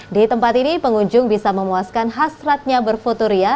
di tempat ini pengunjung bisa memuaskan hasratnya berfotoria